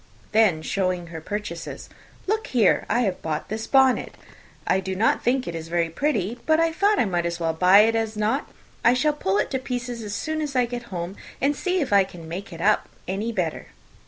Then showing her purchases, "Look here, I have bought this bonnet. I do not think it is very pretty; but I thought I might as well buy it as not. I shall pull it to pieces as soon as I get home, and see if I can make it up any better."